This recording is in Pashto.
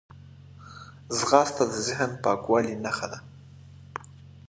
ځغاسته د ذهن پاکوالي نښه ده